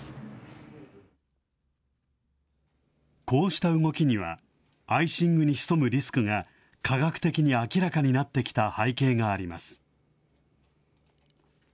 こうした動きには、アイシングに潜むリスクが、科学的に明らかになってきた背景があります。